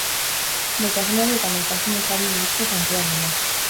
Maitasunari eta maitasun ezari buruzko kantuak dira.